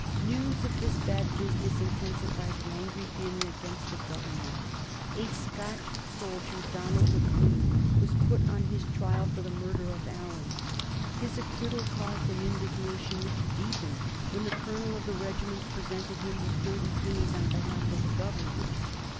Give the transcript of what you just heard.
News of this bad business intensified the angry feeling against the Government. A Scotch soldier, Donald Maclean, was put on his trial for the murder of Allan. His acquittal caused an indignation which deepened when the colonel of the regiment presented him with thirty guineas on behalf of the Government.